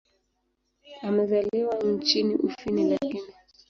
Amezaliwa nchini Ufini lakini.